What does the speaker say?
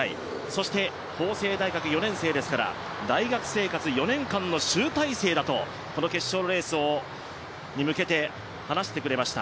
そして法政大学４年生ですから大学生活４年間の集大成だとこの決勝のレースに向けて話してくれました。